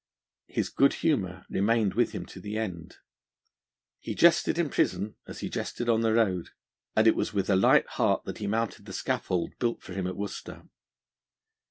His good humour remained with him to the end. He jested in prison as he jested on the road, and it was with a light heart that he mounted the scaffold built for him at Worcester.